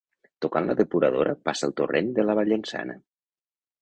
Tocant la depuradora passa el torrent de la Vallençana.